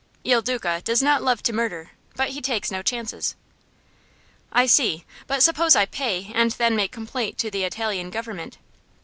Il Duca does not love to murder, but he takes no chances." "I see. But suppose I pay, and then make complaint to the Italian government?"